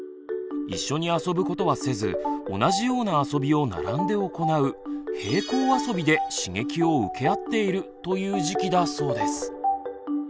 一緒に遊ぶことはせず同じような遊びを並んで行う平行遊びで刺激を受け合っているという時期だそうです。